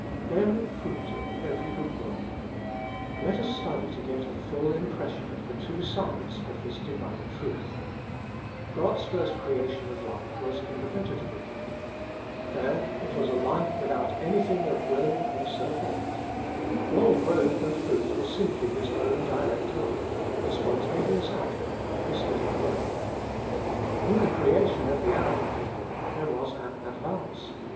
'Bearing fruit in every good ivorkf Let us study to get a full impression of the two sides of this Divine truth. God's first cre ation of life was in the vegetable kingdom. There it v/as a life without anything of will or self effort, all growth and fruit was simply His own direct work, the spon taneous outcome of His hidden working. In the creation of the animal kingdom there was an advance.